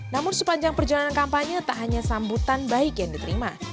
namun sepanjang perjalanan kampanye tak hanya sambutan baik yang diterima